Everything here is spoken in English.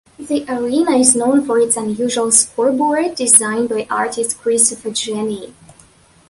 The arena is known for its unusual scoreboard, designed by Artist Christopher Janney.